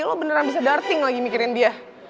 lo beneran bisa durting lagi mikirin dia